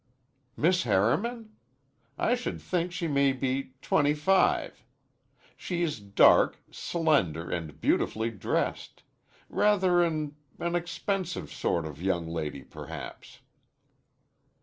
"Miss Harriman? I should think she may be twenty five. She is dark, slender, and beautifully dressed. Rather an an expensive sort of young lady, perhaps."